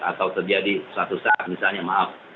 atau terjadi suatu saat misalnya maaf